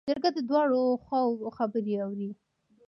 جرګه د دواړو خواوو خبرې اوري.